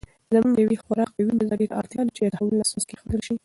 زموږ یوې خورا قوي نظریې ته اړتیا ده چې د تحول اساس کېښودل سي.